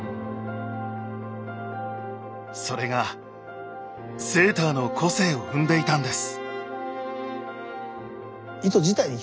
それがセーターの個性を生んでいたんです。